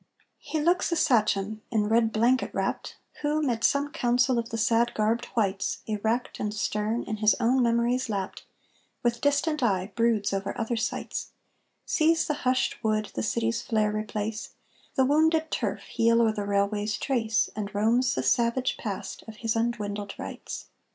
He looks a sachem, in red blanket wrapt, Who, mid some council of the sad garbed whites, Erect and stern, in his own memories lapt, With distant eye broods over other sights, Sees the hushed wood the city's flare replace, The wounded turf heal o'er the railway's trace, And roams the savage Past of his undwindled rights.